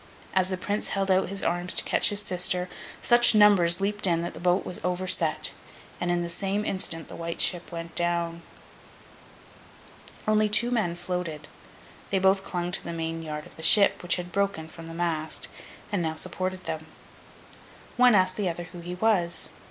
As the Prince held out his arms to catch his sister, such numbers leaped in, that the boat was overset. And in the same instant The White Ship went down. Only two men floated. They both clung to the main yard of the ship, which had broken from the mast, and now supported them. One asked the other who he was?